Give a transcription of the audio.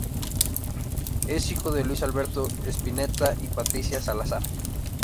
Es hijo de Luis Alberto Spinetta y Patricia Salazar.